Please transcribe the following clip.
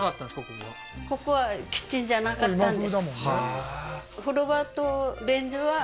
ここはここはキッチンじゃなかったんですへえー